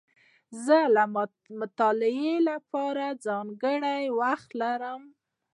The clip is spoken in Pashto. زه د مطالعې له پاره ځانګړی وخت لرم.